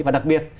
và đặc biệt